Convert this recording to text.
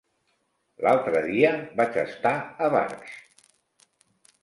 L'altre dia vaig estar a Barx.